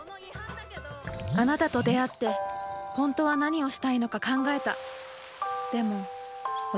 あなたと出会って本当は何をしたいのか考えた。